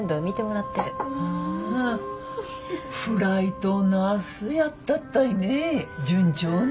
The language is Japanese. フライトナースやったったいね。